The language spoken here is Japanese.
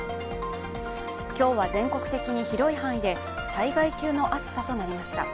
今日は、全国的に広い範囲で災害級の暑さとなりました。